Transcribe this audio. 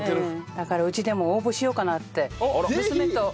だからうちでも応募しようかなって娘と。